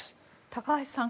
高橋さん